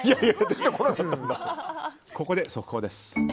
ここで速報です。